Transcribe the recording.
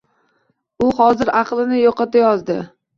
U hozir aqlini yo’qotayozdi.